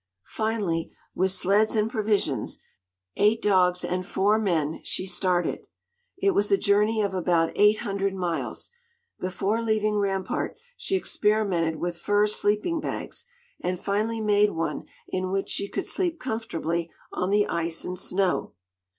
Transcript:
Finally, with sleds and provisions, eight dogs and four men, she started. It was a journey of about eight hundred miles. Before leaving Rampart she experimented with fur sleeping bags, and finally made one in which she could sleep comfortably on the ice and snow.